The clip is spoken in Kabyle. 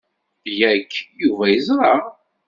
Yak, Yuba yeẓṛa.